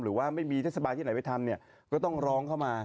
หรือว่าไม่มีเทศบาลที่ไหนไปทำเนี่ยก็ต้องร้องเข้ามา